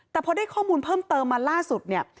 แต่พอได้ข้อมูลเพิ่มเติมมาล่าสุดเนี่ย